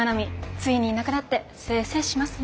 ついにいなくなって清々しますね。